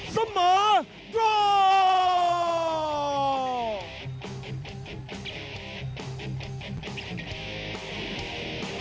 สมรต้น